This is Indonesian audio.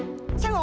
aku mau pergi dulu